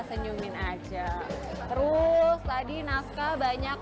senyumin aja terus tadi naskah banyak